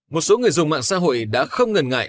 một số người dùng mạng xã hội đã không ngần ngại